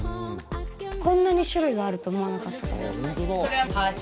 こんなに種類があると思わなかった。